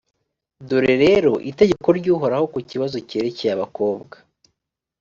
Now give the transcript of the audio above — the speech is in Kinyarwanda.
dore rero itegeko ry’uhoraho ku kibazo cyerekeye abakobwa